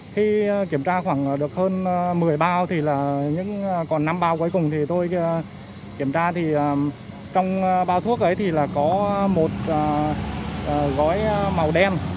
khi kiểm tra khoảng được hơn một mươi bao thì là còn năm bao cuối cùng thì tôi kiểm tra thì trong bao thuốc ấy thì là có một gói màu đen